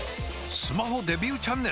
スマホデビューチャンネル！？